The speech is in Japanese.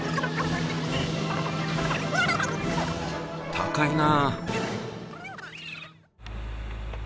高いな。